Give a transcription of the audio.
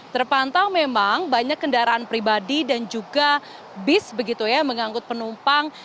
terpantau memang banyak kendaraan pribadi dan juga bis begitu ya mengangkut penumpang